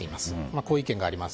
こういう意見があります。